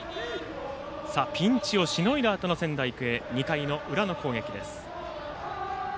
ピンチをしのいだあとの仙台育英２回の裏の攻撃です。